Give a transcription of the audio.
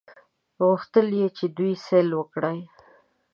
غوښتل یې چې د دوی سیل وکړي.